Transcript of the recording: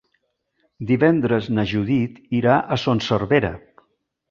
Divendres na Judit irà a Son Servera.